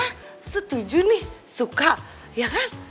jadi papa setuju nih suka ya kan